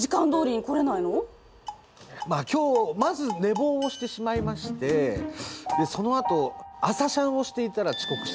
まあ今日まず寝坊をしてしまいましてでそのあと朝シャンをしていたら遅刻してしまいました。